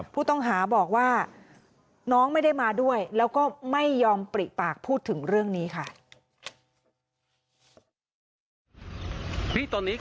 ผู้ต้องหาบอกว่าน้องไม่ได้มาด้วยแล้วก็ไม่ยอมปริปากพูดถึงเรื่องนี้ค่ะ